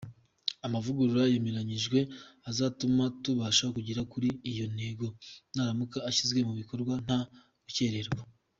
Amavugurura yemeranyijweho azatuma tubasha kugera kuri iyo ntego naramuka ashyizwe mu bikorwa nta gukererwa.